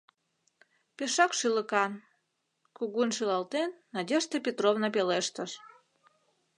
Пешак шӱлыкан, — кугун шӱлалтен, Надежда Петровна пелештыш.